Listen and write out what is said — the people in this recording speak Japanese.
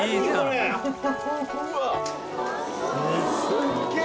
すっげえ